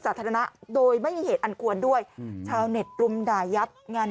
สาธารณะโดยไม่มีเหตุอันควรด้วยอืมชาวเน็ตรุมด่ายับงาน